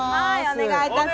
お願いいたします